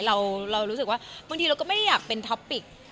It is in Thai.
เรารู้สึกว่าบางทีเราก็ไม่ได้อยากเป็นท็อปปิก